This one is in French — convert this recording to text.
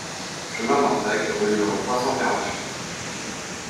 Chemin d'Entraigues au numéro trois cent quarante-huit